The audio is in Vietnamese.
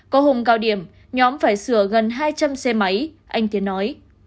có hùng cao điểm nhóm phải sửa gần hai trăm linh xe máy anh tiến nói